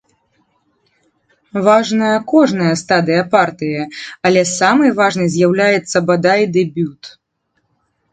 Важная кожная стадыя партыі, але самай важнай з'яўляецца, бадай, дэбют.